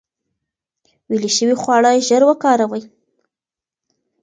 ویلې شوي خواړه ژر وکاروئ.